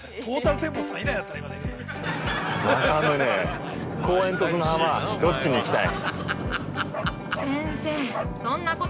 まさむね、公園と砂浜どっちにいきたい。